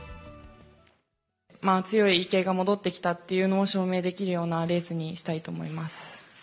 強い池江が戻ってきたというのを証明できるようなレースにしたいと思います。